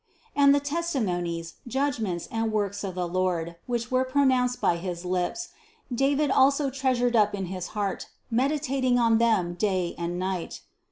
And the testimonies, judgments and works of the Lord, which were pronounced by his lips, David also treasured up in his heart, meditating on them day and night.